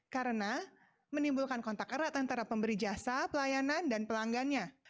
karena menimbulkan kontak erat antara pemberi jasa pelayanan dan pelanggannya